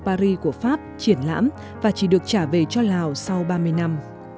paris của pháp triển lãm và chỉ được trả về cho lào sau ba mươi năm